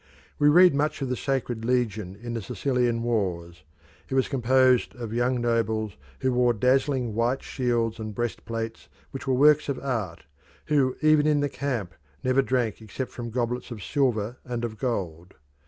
We read much of the Sacred Legion in the Sicilian wars. It was composed of young nobles, who wore dazzling white shields and breast plates which were works of art; who even in the camp never drank except from goblets of silver and of gold.